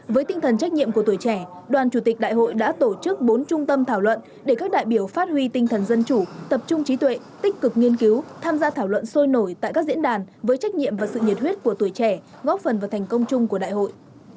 với tinh thần trách nhiệm của tuổi trẻ đoàn chủ tịch đại hội đã tổ chức bốn trung tâm thảo luận để các đại biểu phát huy tinh thần dân chủ tập trung trí tuệ tích cực nghiên cứu tham gia thảo luận sôi nổi tại các diễn đàn với trách nhiệm và sự nhiệt huyết của tuổi trẻ góp phần vào thành công chung của đại hội